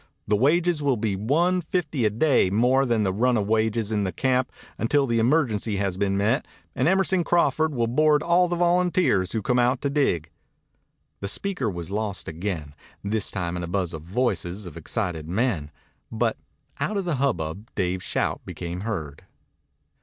The wages will be one fifty a day more than the run of wages in the camp until the emergency has been met, and Emerson Crawford will board all the volunteers who come out to dig." The speaker was lost again, this time in a buzz of voices of excited men. But out of the hubbub Dave's shout became heard.